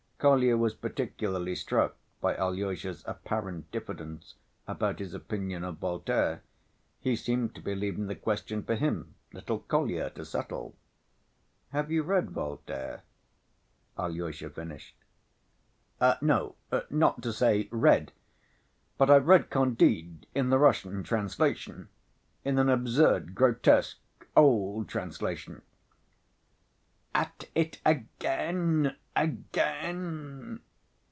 Kolya was particularly struck by Alyosha's apparent diffidence about his opinion of Voltaire. He seemed to be leaving the question for him, little Kolya, to settle. "Have you read Voltaire?" Alyosha finished. "No, not to say read.... But I've read Candide in the Russian translation ... in an absurd, grotesque, old translation ... (At it again! again!)"